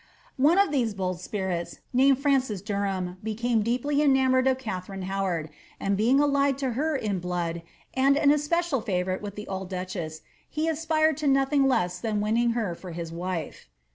^ One of these bold spirits, named Francis Derham, became deeply enamoured of Katharine Howard, and being allied to her in blood, and in especial fiivourite with the old duchess, he aspired to nothing less than winning her for his wife.